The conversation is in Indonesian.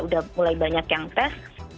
udah mulai banyak yang tes